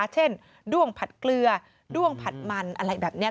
ด้วงผัดเกลือด้วงผัดมันอะไรแบบนี้